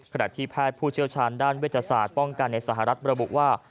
ขณะที่แพทย์ผู้เชี่ยวชาญด้านเวชศาสตร์ป้องกันในสหรัฐระบุว่า